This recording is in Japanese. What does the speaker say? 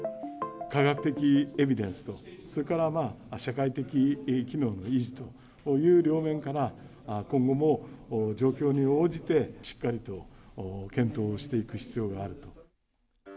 科学的エビデンスと、それから社会的機能の維持という両面から、今後も状況に応じて、しっかりと検討していく必要があると。